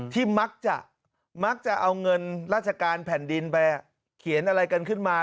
ที่มักจะมักจะเอาเงินราชการแผ่นดินไปเขียนอะไรกันขึ้นมา